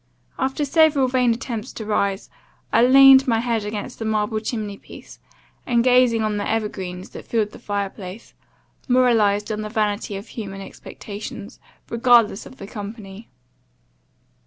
After several vain attempts to rise, I leaned my head against the marble chimney piece, and gazing on the evergreens that filled the fire place, moralized on the vanity of human expectations; regardless of the company.